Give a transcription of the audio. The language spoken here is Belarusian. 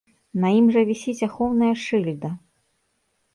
На ім жа вісіць ахоўная шыльда!